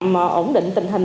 họ ổn định tình huống